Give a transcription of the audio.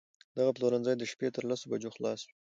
دغه پلورنځی د شپې تر لسو بجو خلاص وي